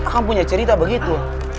kamu punya cerita begitu